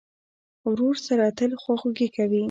ورور سره تل خواخوږي کوې.